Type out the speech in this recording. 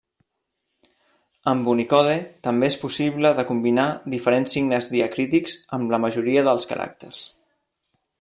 Amb Unicode també és possible de combinar diferents signes diacrítics amb la majoria dels caràcters.